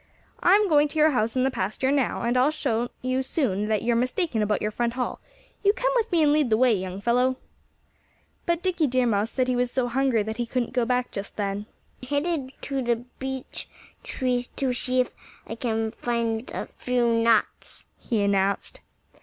"I'm going to your house in the pasture now; and I'll soon show you that you're mistaken about your front hall.... You come with me and lead the way, young fellow!" But Dickie Deer Mouse said he was so hungry that he couldn't go back just then. "I'm headed for the big beech tree to see if I can find a few nuts," he announced.